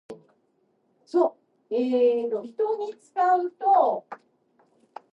The line runs north, under the Dallas Convention Center and through downtown Dallas.